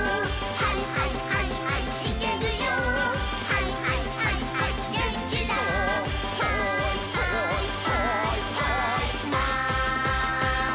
「はいはいはいはいマン」